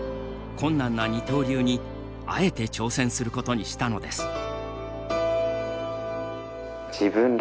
困難な二刀流にあえて挑戦することにしたのです。